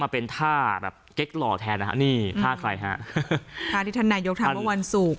เป็นท่าแบบเก๊กหล่อแทนนะฮะนี่ท่าใครฮะท่าที่ท่านนายกทำเมื่อวันศุกร์